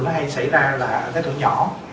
nó hay xảy ra ở cái tuổi nhỏ